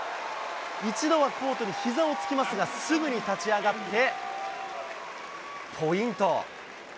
一度はコートにひざをつきますが、すぐに立ち上がってポイント。